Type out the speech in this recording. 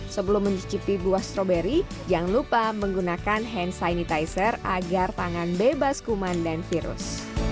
sebelum mencicipi buah stroberi jangan lupa menggunakan hand sanitizer agar tangan bebas kuman dan virus